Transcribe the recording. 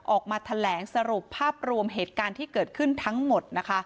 ออกมาแถลงสรุปภาพรวมเหตุการณ์ที่เกิดขึ้นทั้งหมดนะคะ